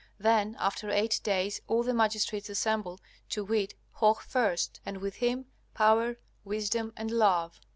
Then after eight days all the magistrates assemble, to wit, Hoh first, and with him Power, Wisdom, and Love.